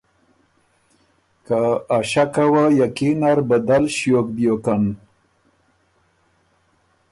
که ا ݭکه وه یقین نر بدل ݭیوک بیوکن۔